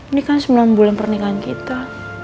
ini kan sembilan bulan pernikahan kita